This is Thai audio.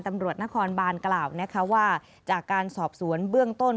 ตำรวจนครบานกล่าวนะคะว่าจากการสอบสวนเบื้องต้น